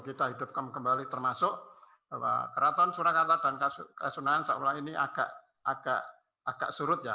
kita hidupkan kembali termasuk keraton surakarta dan kasunan ini agak surut ya